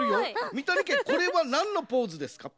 みたにけこれはなんのポーズですか？